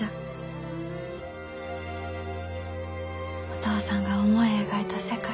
お父さんが思い描いた世界。